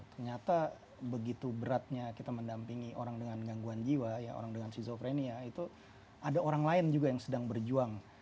ternyata begitu beratnya kita mendampingi orang dengan gangguan jiwa ya orang dengan skizofrenia itu ada orang lain juga yang sedang berjuang